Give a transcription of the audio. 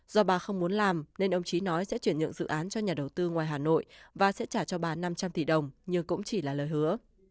do bà không muốn làm nên ông trí nói sẽ chuyển nhượng dự án cho nhà đầu tư ngoài hà nội và sẽ trả cho bà năm trăm linh tỷ đồng nhưng cũng chỉ là lời hứa